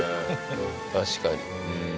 確かに。